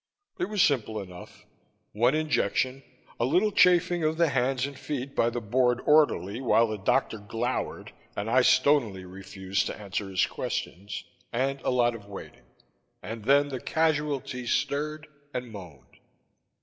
It was simple enough. One injection, a little chafing of the hands and feet by the bored orderly while the doctor glowered and I stonily refused to answer his questions, and a lot of waiting. And then the "casualty" stirred and moaned.